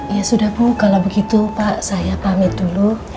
ya sudah bu kalau begitu pak saya pamit dulu